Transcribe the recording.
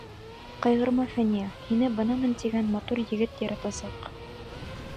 Ҡайғырма, Фәниә, һине бынамын тигән матур егет яратасаҡ.